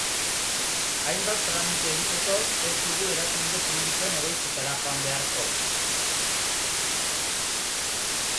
Hainbat tramite egiteko, ez dugu erakunde publikoen egoitzetara joan beharko.